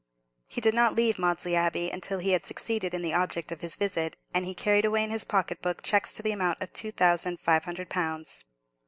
He did not leave Maudesley Abbey until he had succeeded in the object of his visit, and he carried away in his pocket book cheques to the amount of two thousand five hundred pounds.